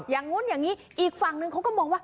อย่างนู้นอย่างนี้อีกฝั่งนึงเขาก็มองว่า